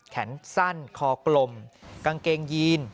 แขนสั้นคอกลมกางเกงยีน